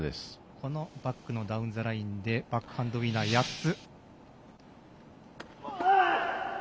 このバックのダウンザラインでバックハンド８つ。